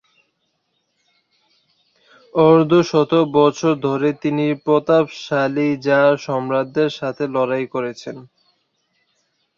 অর্ধশত বছর ধরে তিনি প্রতাপশালী জার সম্রাটদের সাথে লড়াই করেছেন।